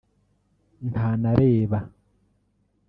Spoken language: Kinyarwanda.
ntanareba